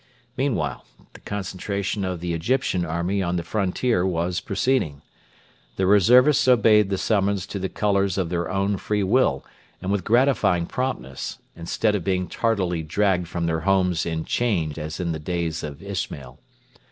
Meanwhile the concentration of the Egyptian army on the frontier was proceeding. The reservists obeyed the summons to the colours of their own free will and with gratifying promptness, instead of being tardily dragged from their homes in chains as in the days of Ismail.